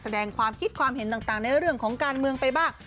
แสดงความคิดความเห็นต่างในเรื่องของการเมืองไปบ้าง